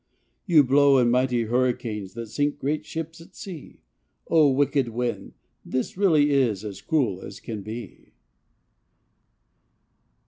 You blow in mighty hurricanes That sink great ships at sea, O, wicked wind, this really is As cruel as can be.